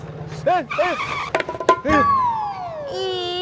ih beneran sakit ya